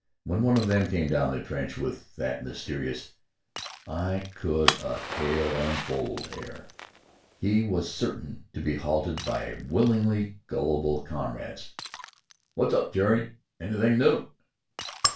When one of them came down the trench with that mysterious "I could a tale unfold" air, he was certain to be halted by willingly gullible comrades. "Wot's up, Jerry? Anything new?"